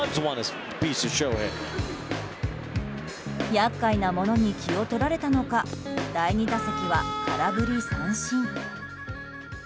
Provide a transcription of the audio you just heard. やっかいな者に気を取られたのか第２打席は、空振り三振。